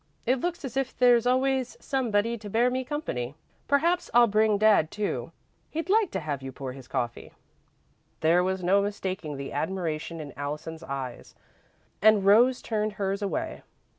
It looks as if there'd always be somebody to bear me company. Perhaps I'll bring Dad, too. He'd like to have you pour his coffee." There was no mistaking the admiration in Allison's eyes and Rose turned hers away.